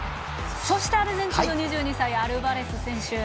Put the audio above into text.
アルゼンチンの２２歳アルバレス選手。